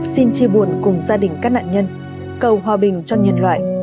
xin chia buồn cùng gia đình các nạn nhân cầu hòa bình cho nhân loại